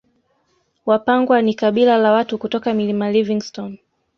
Wapangwa ni kabila la watu kutoka Milima Livingstone